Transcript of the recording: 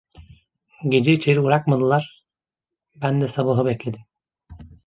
Gece içeri bırakmadılar, ben de sabahı bekledim!